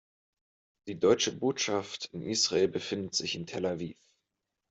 Die Deutsche Botschaft in Israel befindet sich in Tel Aviv.